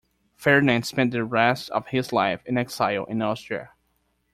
Ferdinand spent the rest of his life in exile in Austria.